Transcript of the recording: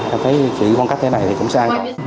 em thấy chỉ con cách thế này thì cũng xa